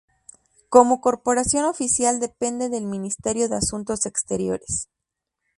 Como corporación oficial depende del Ministerio de Asuntos Exteriores.